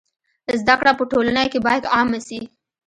زده کړه په ټولنه کي بايد عامه سي.